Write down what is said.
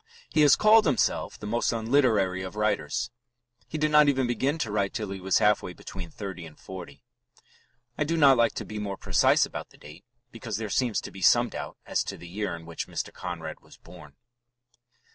He has called himself "the most unliterary of writers." He did not even begin to write till he was half way between thirty and forty. I do not like to be more precise about the date, because there seems to be some doubt as to the year in which Mr. Conrad was born.